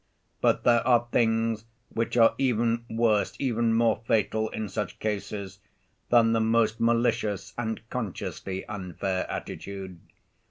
But there are things which are even worse, even more fatal in such cases, than the most malicious and consciously unfair attitude.